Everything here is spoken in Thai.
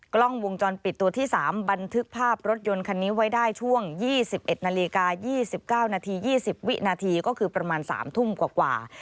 กล้องวงจรปิดตัวที่๓บันทึกภาพรถยนต์คันนี้ไว้ได้ช่วง๒๑นาฬิกา๒๙นาที๒๐วินาทีก็คือประมาณ๓ทุ่มกว่า